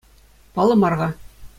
Паллӑ мар-ха.